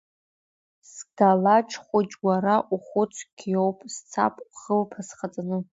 Сгалаџ хәыҷ, уара ухәыҷ қьиоуп, сцап ухылԥа схаҵаны.